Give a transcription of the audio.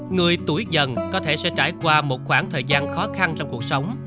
người tuổi dần có thể sẽ trải qua một khoảng thời gian khó khăn trong cuộc sống